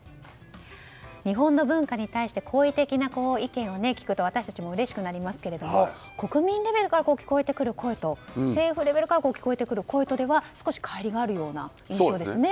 日本の文化に対して好意的な意見を聞くと私たちもうれしくなりますけど国民レベルから聞こえてくる声と政府レベルから聞こえてくる声とでは少し乖離があるような印象ですね。